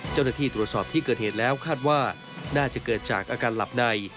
เจ้าหน้าที่ตรวจสอบที่เกิดเหตุแล้วคาดว่าน่าจะเกิดจากอาการหลับใน